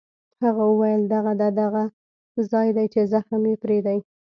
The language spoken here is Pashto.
هغه وویل: دغه ده، دغه ځای دی چې زخم یې پرې دی.